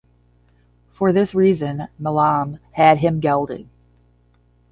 For this reason, Milam had him gelded.